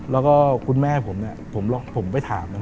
แล้วก็คุณแม่ผมเนี่ยผมไปถามนะ